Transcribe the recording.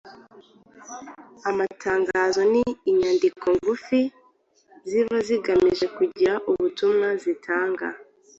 Amatangazo ni inyandiko ngufi ziba zigamije kugira ubutumwa zitanga